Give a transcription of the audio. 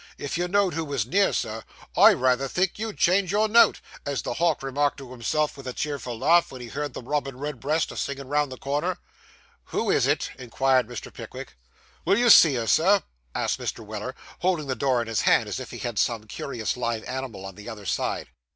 'If you know'd who was near, sir, I rayther think you'd change your note; as the hawk remarked to himself vith a cheerful laugh, ven he heerd the robin redbreast a singin' round the corner.' 'Who is it?' inquired Mr. Pickwick. 'Will you see her, Sir?' asked Mr. Weller, holding the door in his hand as if he had some curious live animal on the other side.